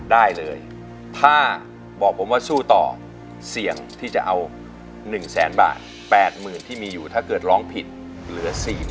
ได้เลยถ้าบอกผมว่าสู้ต่อเสี่ยงที่จะเอา๑แสนบาท๘๐๐๐ที่มีอยู่ถ้าเกิดร้องผิดเหลือ๔๐๐๐